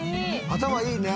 頭いいね。